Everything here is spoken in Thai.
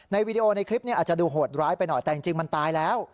วีดีโอในคลิปนี้อาจจะดูโหดร้ายไปหน่อยแต่จริงมันตายแล้ว